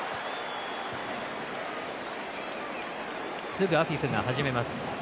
すぐアフィフが始めます。